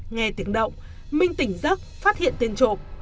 nghe tiếng động minh tỉnh giấc phát hiện tiền trộm